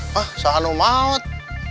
hah sahanu maut